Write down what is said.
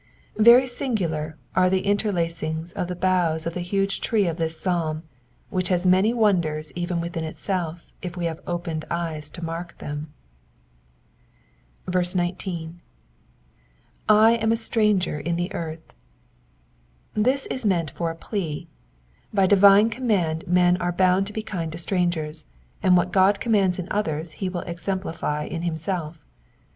Very singular are the interlacings of the boughs of the huge tree of this psalm, which has many wonders even within itself if we have opened eyes to mark them. 19. / am a stranger in the earth,'*'* This is meant for a plea. By divine ■command men are bound to be kind to strangers, and what God commands in others he will exemplify in himself.